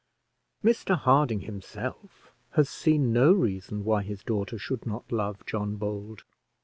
Mr Harding himself has seen no reason why his daughter should not love John Bold.